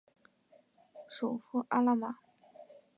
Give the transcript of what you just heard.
首府阿马拉。